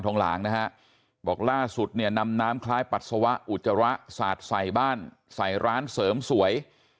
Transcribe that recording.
นำน้ำคล้ายปัสสาวะอุจจาระสาดใส่บ้านใส่ร้านเสริมสวย